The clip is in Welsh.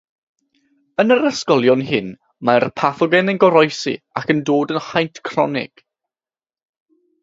Yn yr unigolion hyn mae'r pathogen yn goroesi ac yn dod yn haint cronig.